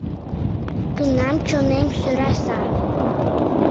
Тунам чонем сӧраса.